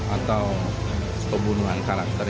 atau pembunuhan karakter